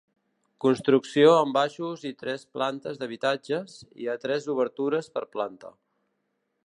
Construcció amb baixos i tres plantes d'habitatges, hi ha tres obertures per planta.